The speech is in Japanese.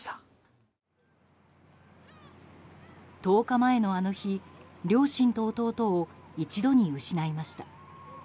１０日前のあの日両親と弟を一度に失いました。